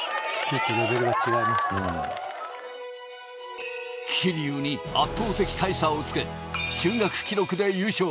桐生に圧倒的大差をつけ中学記録で優勝